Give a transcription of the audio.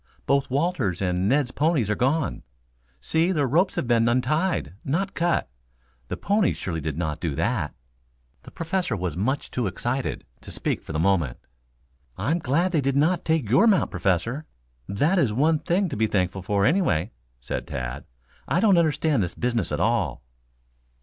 "Both Walter's and Ned's ponies are gone. See, the ropes have been untied, not cut. The ponies surely did not do that." The Professor was much too excited to speak for the moment. "I am glad they did not take your mount, Professor. That is one thing to be thankful for, anyway," said Tad. "I don't understand this business at all."